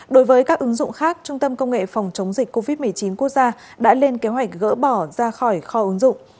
đối với các ứng dụng khác trung tâm công nghệ phòng chống dịch covid một mươi chín quốc gia đã lên kế hoạch gỡ bỏ ra khỏi kho ứng dụng